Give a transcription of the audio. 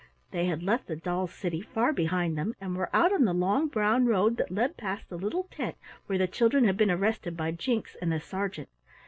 They had left the dolls' city far behind them and were out on the long brown road that led past the little tent where the children had been arrested by Jinks and the sergeant.